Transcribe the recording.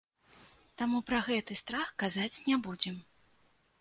Таму пра гэты страх казаць не будзем.